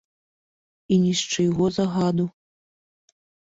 І ні з чыйго загаду.